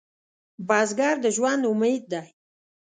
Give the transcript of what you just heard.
بزګر د ژوند امید دی